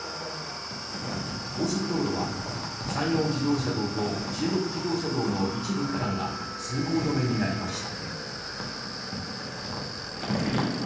高速道路は山陽自動車道と中国自動車道の一部区間が通行止めになりました。